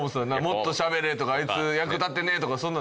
もっとしゃべれとかあいつ役立ってねえとか。